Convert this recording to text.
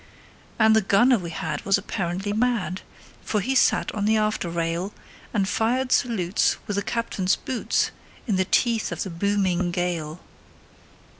And the gunner we had was apparently mad, For he sat on the after rail, And fired salutes with the captain's boots, In the teeth of the booming gale.